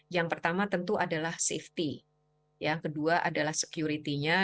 yang pertama tentu adalah safety yang kedua adalah security nya